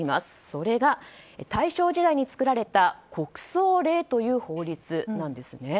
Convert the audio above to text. それが大正時代に作られた国葬令という法律です。